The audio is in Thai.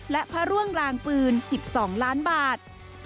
และพระร่วงลางปืน๑๒ล้านบาท